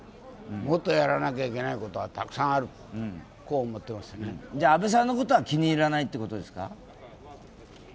もっとやらなきゃいけないことはたくさんある、こう思っていますねじゃあ、安倍さんのことは気に入らないってことですか？